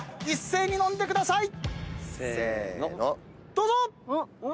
どうぞ！